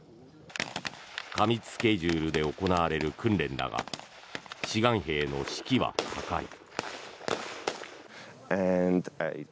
過密スケジュールで行われる訓練だが志願兵の士気は高い。